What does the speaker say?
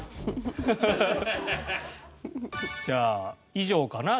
フフフ！じゃあ以上かな？